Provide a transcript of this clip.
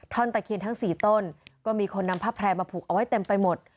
ตะเคียนทั้ง๔ต้นก็มีคนนำผ้าแพร่มาผูกเอาไว้เต็มไปหมด